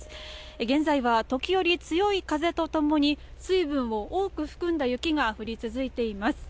現在は時折、強い風とともに水分を多く含んだ雪が降り続いています。